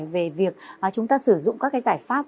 về việc chúng ta sử dụng các cái giải pháp